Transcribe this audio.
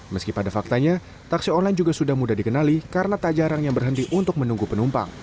meski pada faktanya taksi online juga sudah mudah dikenali karena tak jarang yang berhenti untuk menunggu penumpang